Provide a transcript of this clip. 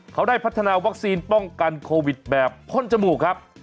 เขาได้พัฒนาวัคซีนป้องกันโควิดแบบพ่นจมูกครับ